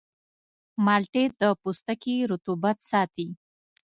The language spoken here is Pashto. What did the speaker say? مالټې د پوستکي رطوبت ساتي.